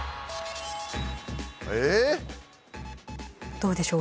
どうでしょう？